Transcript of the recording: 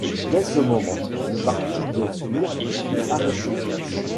Dès ce moment, le parti de fuir fut arrêté.